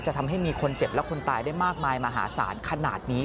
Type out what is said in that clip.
ทำให้มีคนเจ็บและคนตายได้มากมายมหาศาลขนาดนี้